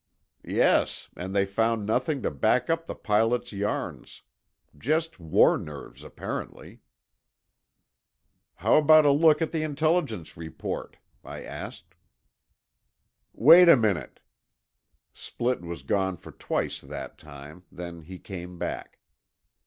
"Yes, and they found nothing to back up the pilots' yarns. just war nerves, apparently." "How about a look at the Intelligence report?" I asked. "Wait a minute." Splitt was gone for twice that time, then he carne back.